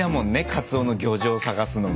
カツオの漁場探すのも。